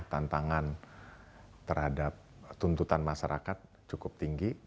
tantangan terhadap tuntutan masyarakat cukup tinggi